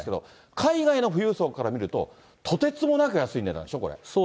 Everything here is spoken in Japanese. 海外の富裕層から見ると、とてつもなく安いんでしょ？